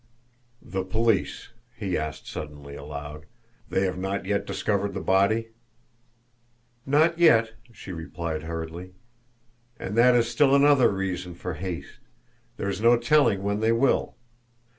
"The police," he asked suddenly, aloud, "they have not yet discovered the body?" "Not yet," she replied hurriedly. "And that is still another reason for haste there is no telling when they will.